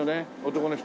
男の人。